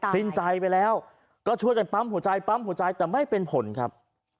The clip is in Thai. สิ้นใจไปแล้วก็ช่วยกันปั๊มหัวใจปั๊มหัวใจแต่ไม่เป็นผลครับ